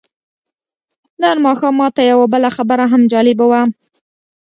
نن ماښام ماته یوه بله خبره هم جالبه وه.